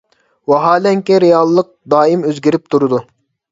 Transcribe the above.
ۋاھالەنكى، رېئاللىق دائىم ئۆزگىرىپ تۇرىدۇ.